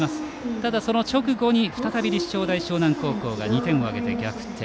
ただ、その直後に再び立正大淞南高校が２点を挙げて逆転。